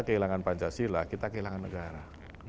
kehilangan pancasila kita kehilangan negara